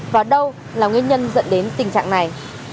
và đâu là nguyên nhân dẫn đến tình trạng này